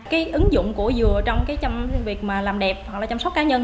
cái ứng dụng của dừa trong việc làm đẹp hoặc là chăm sóc cá nhân